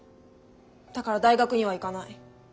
だから大学には行かない。